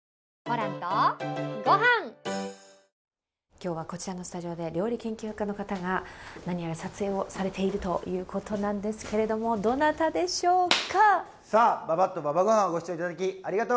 今日はこちらのスタジオで料理研究家の方が何やら撮影をされているということなんですけれども、どなたでしょうか！